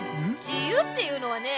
じゆうっていうのはね